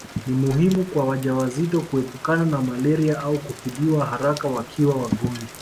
Ni muhimu kwa wajawazito kuepukana na malaria au kutibiwa haraka wakiwa wagonjwa